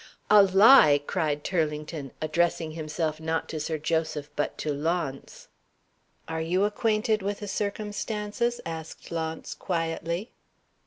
"A lie!" cried Turlington, addressing himself, not to Sir Joseph, but to Launce. "Are you acquainted with the circumstances?" asked Launce, quietly.